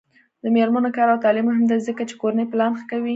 د میرمنو کار او تعلیم مهم دی ځکه چې کورنۍ پلان ښه کوي.